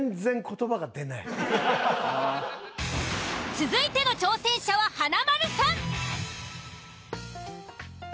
続いての挑戦者は華丸さん。